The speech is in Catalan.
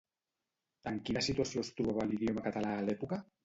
En quina situació es trobava l'idioma català a l'època?